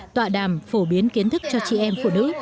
tọa đàm phổ biến kiến thức cho chị em phụ nữ